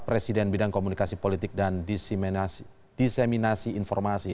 presiden bidang komunikasi politik dan diseminasi informasi